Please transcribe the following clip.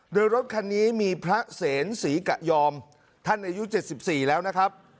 โดยรถคันนี้มีพระเสนศรีกะยอมท่านอายุ๗๔แล้วนะครับ